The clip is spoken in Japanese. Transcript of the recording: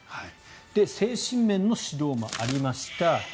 精神面の指導もありました。